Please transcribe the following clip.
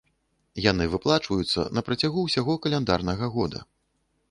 Яны выплачваюцца на працягу ўсяго каляндарнага года.